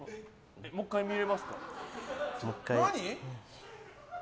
もう１回見れますか。